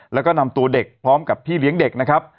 แล้วก็นำตัวเด็กพร้อมกับพี่เลี้ยงเด็กนะครับ